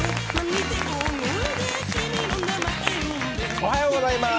おはようございます。